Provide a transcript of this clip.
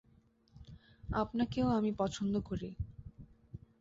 আপনাকেও আমি পছন্দ করি।